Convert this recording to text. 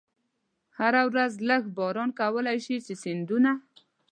هره ورځ لږ باران کولای شي چې سیندونه.